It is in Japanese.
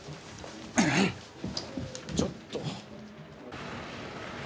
ちょっと。